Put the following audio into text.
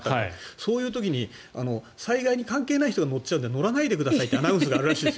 そういう時に災害に関係ない人が乗っちゃって乗らないでくださいってアナウンスがあるらしいです。